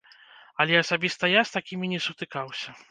Але асабіста я з такімі не сутыкаўся.